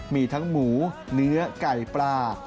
มีทั้งหมูเนื้อไก่ปลา